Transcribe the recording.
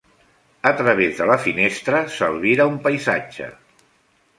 A través de la finestra, s'albira un paisatge.